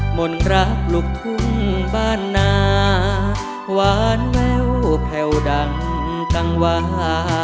หมดรักลูกทุ่งบ้านนาหวานแววแผ่วดังกังวา